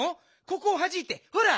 ここをはじいてほら。